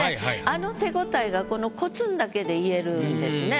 あの手応えがこの「こつん」だけで言えるんですね。